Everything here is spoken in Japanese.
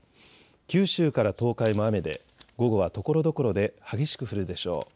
九州から東海も雨で午後はところどころで激しく降るでしょう。